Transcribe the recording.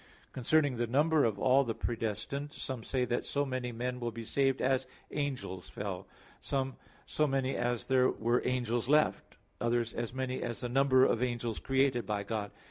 Concerning the number of all the predestined, some say that so many men will be saved as angels fell; some, so many as there were angels left; others, as many as the number of angels created by God.